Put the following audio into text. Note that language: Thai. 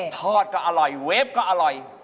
ทอดก็อร่อยเวฟก็อร่อย